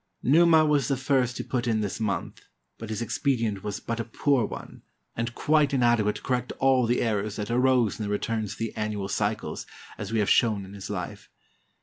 Numa was the first who put in this month, but his expedient was but a poor one and quite inadequate to correct all 373 ROME the errors that arose in the returns of the annual cycles, as we have shown in his life.